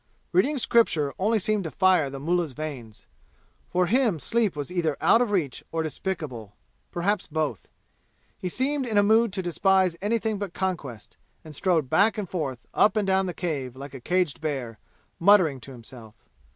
Reading scripture only seemed to fire the mullah's veins. For him sleep was either out of reach or despicable, perhaps both. He seemed in a mood to despise anything but conquest and strode back and forth up and down the cave like a caged bear, muttering to himself.